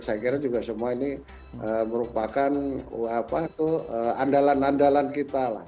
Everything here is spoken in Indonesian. saya kira juga semua ini merupakan andalan andalan kita lah